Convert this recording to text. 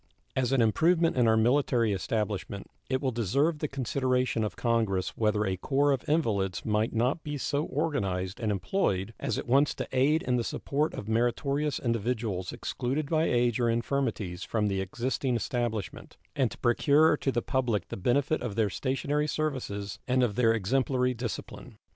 As an improvement in our military establishment, it will deserve the consideration of Congress whether a corps of invalids might not be so organized and employed as at once to aid in the support of meritorious individuals excluded by age or infirmities from the existing establishment, and to procure to the public the benefit of their stationary services and of their exemplary discipline.